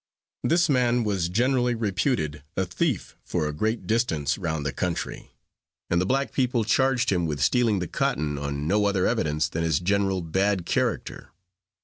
This man was generally reputed a thief for a great distance round the country, and the black people charged him with stealing the cotton on no other evidence than his general bad character.